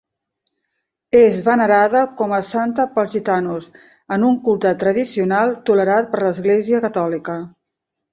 És venerada com a santa pels gitanos, en un culte tradicional tolerat per l'Església catòlica.